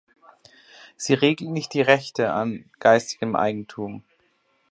Sie regelt nicht die Rechte an geistigem Eigentum.